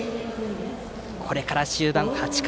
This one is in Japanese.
これから終盤、８回。